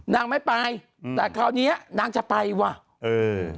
นางไม่ไปอืมแต่คราวเนี้ยนางจะไปว่ะเออ